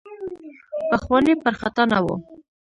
پخواني پر خطا نه وو.